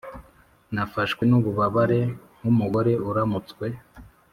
nafashwe n’ububabare nk’umugore uramutswe.